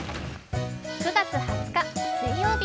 ９月２０日水曜日。